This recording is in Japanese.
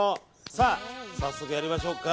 さあ、早速やりましょうか。